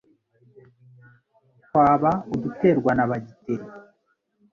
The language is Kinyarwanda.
twaba uduterwa na bagiteri